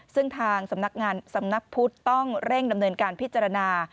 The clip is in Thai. ซึ่งทางสำนักงานสำนักพุทธต้องเร่งดำเนินการพิจารณา